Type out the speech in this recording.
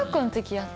やった。